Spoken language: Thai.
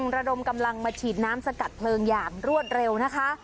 ระดมกำลังมาฉีดน้ำสกัดเพลิงอย่างรวดเร็วนะคะ